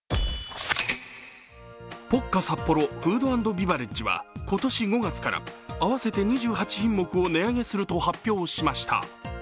ポッカサッポロフード＆ビバレッジは今年５月から合わせて２８品目を値上げすると発表しました。